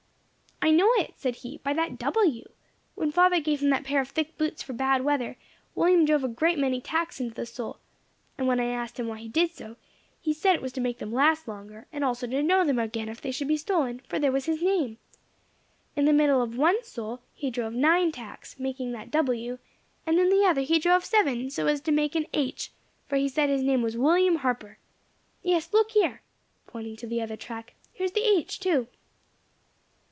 "I know it," said he, "by that W. When father gave him that pair of thick boots for bad weather, William drove a great many tacks into the sole; and when I asked him why he did so, he said it was to make them last longer, and also to know them again if they should be stolen, for there was his name. In the middle of one sole he drove nine tacks, making that W., and in the other he drove seven, so as to make an H.; for he said his name was William Harper. Yes, look here," pointing to the other track, "here is the H., too."